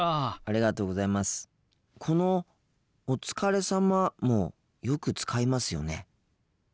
この「おつかれさま」もよく使いますよね。